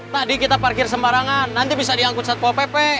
tadi kita parkir sembarangan nanti bisa diangkut saat ppp